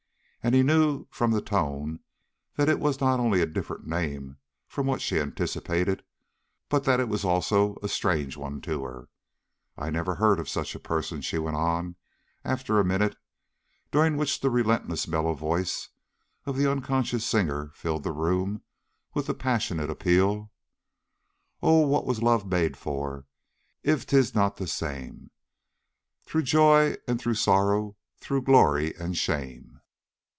And he knew from the tone that it was not only a different name from what she anticipated, but that it was also a strange one to her. "I never heard of such a person," she went on after a minute, during which the relentless mellow voice of the unconscious singer filled the room with the passionate appeal: "Oh, what was love made for, if 't is not the same, Through joy and through sorrow, through glory and shame!"